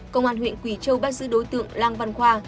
công an huyện quỳ châu bắt giữ đối tượng lang văn khoa